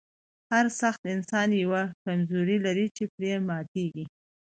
هر سخت انسان یوه کمزوري لري چې پرې ماتیږي